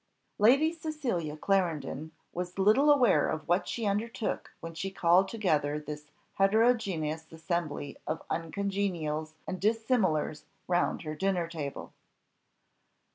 Lady Cecilia Clarendon was little aware of what she undertook when she called together this heterogeneous assembly of uncongenials and dissimilars round her dinner table.